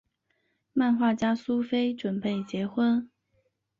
漫画家苏菲准备结婚。